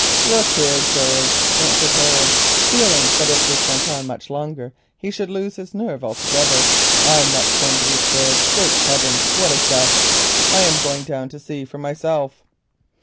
"Look here, George," answered Harold, feeling that if this went on much longer he should lose his nerve altogether. "I'm not going to be scared. Great heavens, what a gust! I'm going down to see for myself."